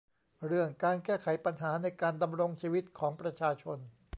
เรื่องการแก้ไขปัญหาในการดำรงชีวิตของประชาชน